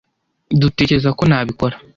dutekereza ko nabikora.